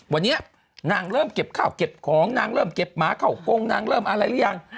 วันนี้นางเริ่มเก็บข้าวเก็บของนางเริ่มเก็บหมาเข้ากงนางเริ่มอะไรหรือยัง